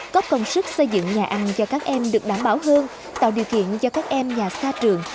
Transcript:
có công sức xây dựng nhà anh cho các em được đảm bảo hơn tạo điều kiện cho các em nhà xa trường